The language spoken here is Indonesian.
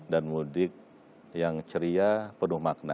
dan mudik yang ceria penuh makna